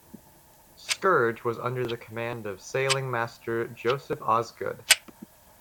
"Scourge" was under the command of Sailing Master Joseph Osgood.